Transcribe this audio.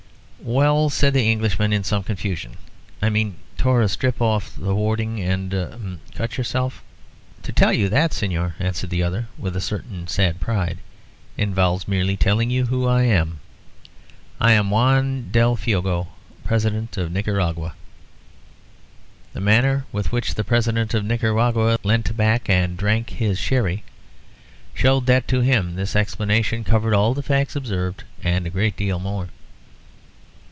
"Well," said the Englishman, in some confusion, "I mean tore a strip off a hoarding and ... er ... cut yourself ... and...." "To tell you that, Señor," answered the other, with a certain sad pride, "involves merely telling you who I am. I am Juan del Fuego, President of Nicaragua." The manner with which the President of Nicaragua leant back and drank his sherry showed that to him this explanation covered all the facts observed and a great deal more.